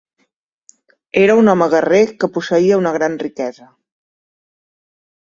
Era un home guerrer que posseïa una gran riquesa.